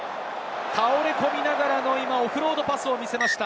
倒れ込みながらのオフロードパスを見せました。